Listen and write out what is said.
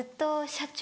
社長。